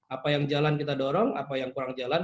apa yang jalan kita dorong apa yang kurang jalan